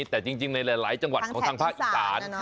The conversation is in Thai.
แต่จริงในหลายจังหวัดของทางภาคอีสาน